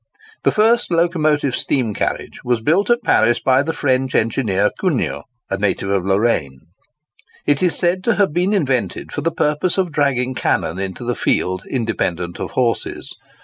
[Picture: Cugnot's Engine] The first locomotive steam carriage was built at Paris by the French engineer Cugnot, a native of Lorraine. It is said to have been invented for the purpose of dragging cannon into the field independent of horses.